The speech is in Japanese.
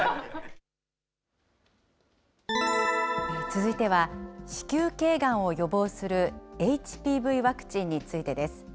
続いては、子宮頸がんを予防する、ＨＰＶワクチンについてです。